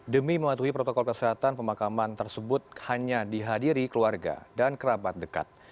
demi mematuhi protokol kesehatan pemakaman tersebut hanya dihadiri keluarga dan kerabat dekat